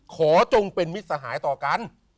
จงเป็นมิตรสหายต่อกัน